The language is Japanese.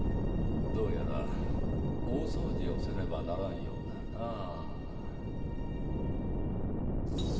どうやら大掃除をせねばならんようだな。